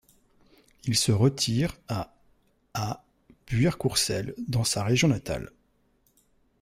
Il se retire à à Buire-Courcelles dans sa région natale.